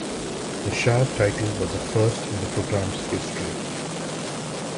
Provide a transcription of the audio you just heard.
The shared title was the first in the program's history.